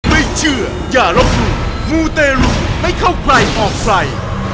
ไม่เชื่ออย่าลบหลู่มูเตรุไม่เข้าใครออกใคร